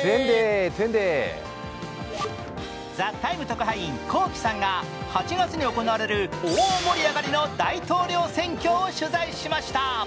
特派員ＫＯＫＩさんが８月に行われる大盛り上がりの大統領選挙を取材しました。